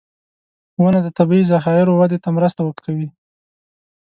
• ونه د طبعي ذخایرو وده ته مرسته کوي.